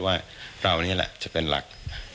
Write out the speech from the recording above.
ว่าเรานี่แหละจะเป็นหลัก